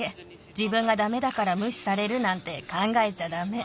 じぶんがダメだからむしされるなんてかんがえちゃダメ。